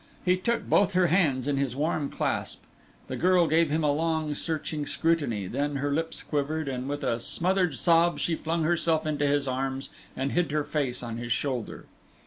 He took both her hands in his warm clasp. The girl gave him a long, searching scrutiny, then her lips quivered, and with a smothered sob she flung herself into his arms and hid her face on his shoulder.